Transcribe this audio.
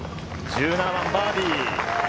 １７番バーディー。